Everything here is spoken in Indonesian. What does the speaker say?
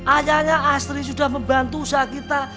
ayahnya astri sudah membantu usaha kita